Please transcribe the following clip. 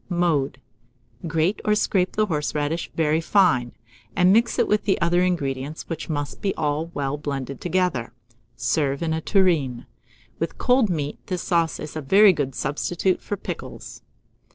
Mode. Grate or scrape the horseradish very fine, and mix it with the other ingredients, which must be all well blended together; serve in a tureen. With cold meat, this sauce is a very good substitute for pickles.